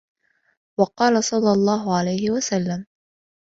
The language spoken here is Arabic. وَقَالَ صَلَّى اللَّهُ عَلَيْهِ وَسَلَّمَ